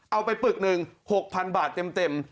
เอาไปปึกหนึ่ง๖๐๐๐บาทเต็ม